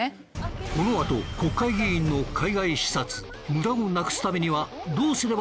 このあと国会議員の海外視察無駄をなくすためにはどうすればいいのか？